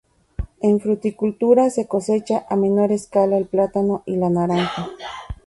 En fruticultura se cosecha a menor escala el plátano y la naranja.